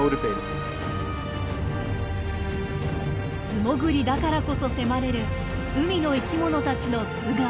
素潜りだからこそ迫れる海の生きものたちの素顔。